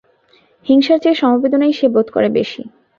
হিংসার চেয়ে সমবেদনাই সে বোধ করে বেশি।